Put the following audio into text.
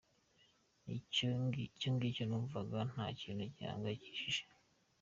Icyo ngicyo numvaga ari ikintu gihangayikishije.